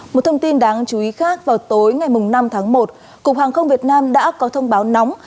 một thông tin đáng chú ý khác vào tối ngày năm tháng một cục hàng không việt nam đã có thông báo nóng